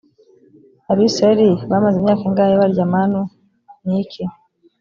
abisirayeli bamaze imyaka ingahe barya manu niki